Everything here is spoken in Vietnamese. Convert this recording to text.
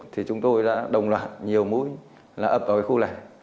thì chúng tôi đã đồng loạt nhiều mũi là ập vào cái khu này